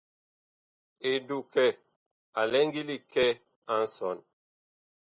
Edukɛ a lɛ ngili kɛ a nsɔn.